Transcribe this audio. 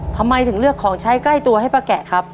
ทำไมถึงเลือกของใช้ใกล้ตัวให้ป้าแกะครับ